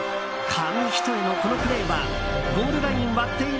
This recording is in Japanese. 紙一重のこのプレーはゴールライン割っている？